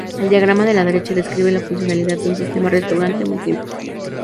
El diagrama de la derecha describe la funcionalidad de un "Sistema Restaurante" muy simple.